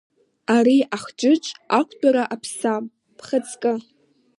Ари ахџыџ ақәтәара аԥсам, бхаҵкы!